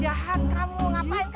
hah keluarga aku